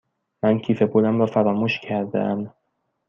من کیف پولم را فراموش کرده ام.